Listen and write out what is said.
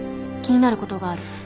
気になることがある。